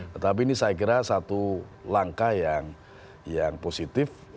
tetapi ini saya kira satu langkah yang positif